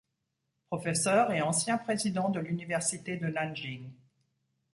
Professeur et ancien président de l'université de Nanjing.